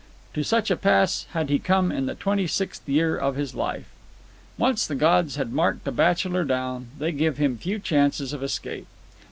To such a pass had he come in the twenty sixth year of his life. Once the gods have marked a bachelor down, they give him few chances of escape.